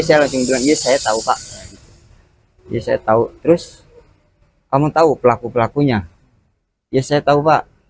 saya langsung bilang ini saya tahu pak ya saya tahu terus kamu tahu pelaku pelakunya ya saya tahu pak